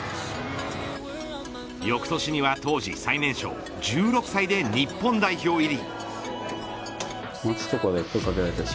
翌年には当時最年少１６歳で日本代表入り。